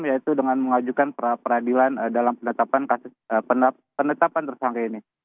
yaitu dengan mengajukan peradilan dalam penetapan tersangka ini